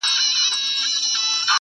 o خواري د مړو په شا ده!